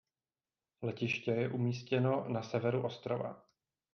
Letiště je umístěno na severu ostrova.